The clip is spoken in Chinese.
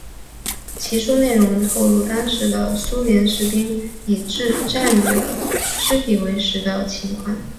其书内容透露当时的苏联士兵以自己战友尸体为食的情况。